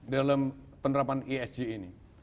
dalam penerapan isg ini